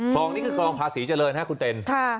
คลองนี้คือคลองภาษีเจริญนะครับคุณเต็น